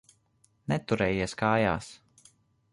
Neturējies kājās.